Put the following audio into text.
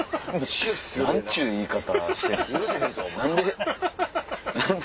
何ちゅう言い方してんすか。